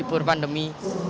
sebab sudah berpandemi